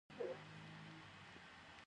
ایا زړه مو ارام شو؟